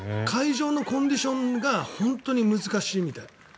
会場のコンディションが本当に難しいみたい。